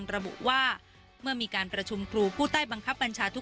และก็ไม่ได้ยัดเยียดให้ทางครูส้มเซ็นสัญญา